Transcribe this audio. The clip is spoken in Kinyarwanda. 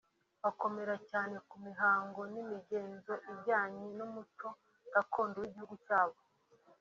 bakomera cyane ku mihango n’imigenzo ijyanye n’umuco gakondo w’igihugu cyabo